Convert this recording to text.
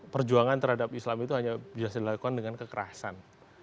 perjuangan terhadap islam itu hanya biasa dilakukan dengan kekerasan